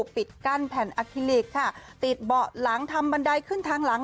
ปิดกั้นแผ่นอคิลิกค่ะติดเบาะหลังทำบันไดขึ้นทางหลัง